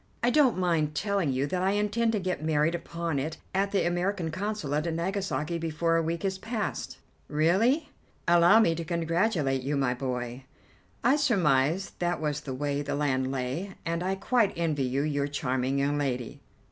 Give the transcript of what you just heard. I don't mind telling you that I intend to get married upon it at the American Consulate at Nagasaki before a week is past." "Really? Allow me to congratulate you, my boy. I surmised that was the way the land lay, and I quite envy you your charming young lady."